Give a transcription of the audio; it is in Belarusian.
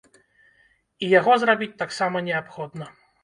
І яго зрабіць таксама неабходна.